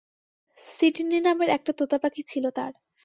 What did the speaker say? Sydney নামের একটা তোতাপাখি ছিল তার।